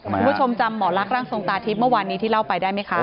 คุณผู้ชมจำหมอลักษ์ร่างทรงตาทิพย์เมื่อวานนี้ที่เล่าไปได้ไหมคะ